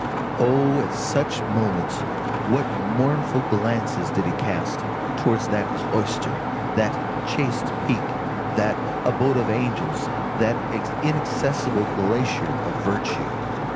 Oh! at such moments, what mournful glances did he cast towards that cloister, that chaste peak, that abode of angels, that inaccessible glacier of virtue!